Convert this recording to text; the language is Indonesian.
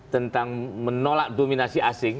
tentang menolak dominasi asing